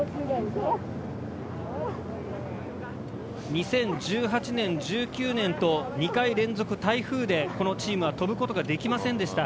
２０１８年１９年と２回連続台風でこのチームは飛ぶことが出来ませんでした。